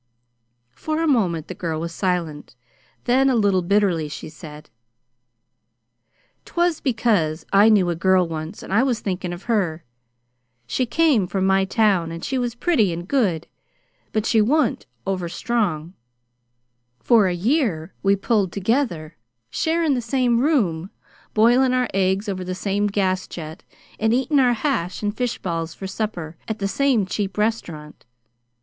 For a moment the girl was silent; then, a little bitterly she said: "'Twas because I knew a girl once, and I was thinkin' of her. She came from my town, and she was pretty and good, but she wa'n't over strong. For a year we pulled together, sharin' the same room, boiling our eggs over the same gas jet, and eatin' our hash and fish balls for supper at the same cheap restaurant.